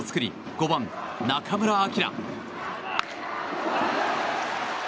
５番、中村晃。